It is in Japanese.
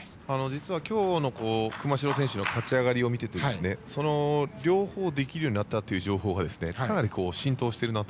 今日の熊代選手の勝ち上がりを見ていて両方できるようになった情報がかなり浸透しているなと。